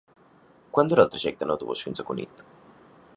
Quant dura el trajecte en autobús fins a Cunit?